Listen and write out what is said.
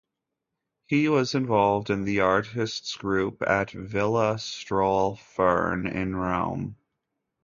He was involved in the artists group at Villa Strohl Fern in Rome.